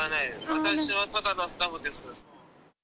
私はただのスタッフです。